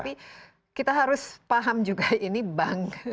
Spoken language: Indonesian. tapi kita harus paham juga ini bank